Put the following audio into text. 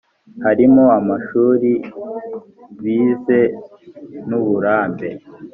harimo amashuri bize n‘uburambe